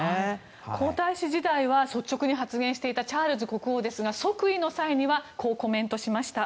皇太子時代は率直に発言していたチャールズ国王ですが即位の際にはこうコメントしました。